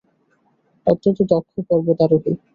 অত্যন্ত দক্ষ পর্বতারোহী।